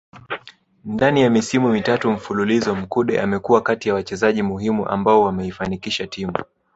Ndani ya misimu mitatu mfululizo Mkude amekuwa kati ya wachezaji muhimu ambao wameifanikisha timu